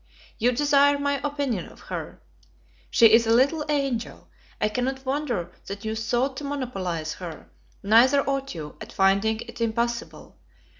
You desire my opinion of her. She is a little angel! I cannot wonder that you sought to monopolize her: neither ought you, at finding it impossible.